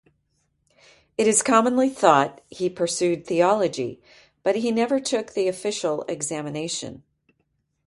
It is commonly thought he pursued theology but he never took the official examination.